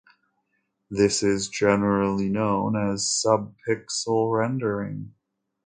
This is generally known as subpixel rendering.